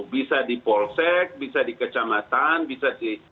bisa di polsek bisa di kecamatan bisa di